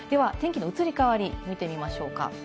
では、天気の移り変わりを見てみましょうか。